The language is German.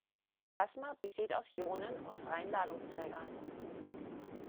Plasma besteht aus Ionen und freien Ladungsträgern.